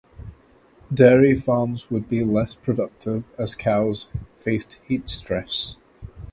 Dairy farms would be less productive as cows faced heat stress.